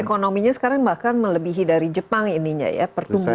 ekonominya sekarang bahkan melebihi dari jepang ininya ya pertumbuhannya